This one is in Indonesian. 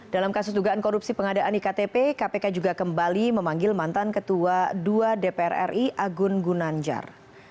dalam kasus dugaan korupsi pengadaan iktp kpk juga kembali memanggil mantan ketua dua dpr ri agun gunanjar